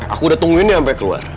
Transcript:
aku udah tungguin dia sampai keluar